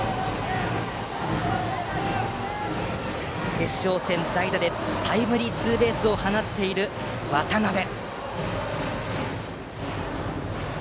決勝戦、代打でタイムリーツーベースを打っている渡邉。